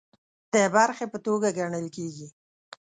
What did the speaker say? د برخې په توګه ګڼل کیږي